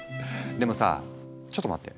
でもさちょっと待って。